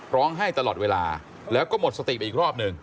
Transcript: ให้ตลอดเวลาแล้วก็หมดสติไปอีกรอบหนึ่ง